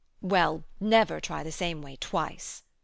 well, never try the same way twice!